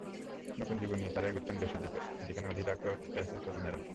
নতুন জীবন নিয়ে তাঁরা এগোচ্ছেন দেশের দিকে, যেখানে অধীর অপেক্ষায় আছেন স্বজনেরা।